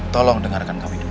tolong dengarkan kami dulu